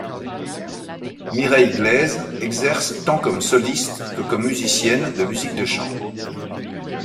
Mireille Gleizes exerce tant comme soliste que comme musicienne de musique de chambre.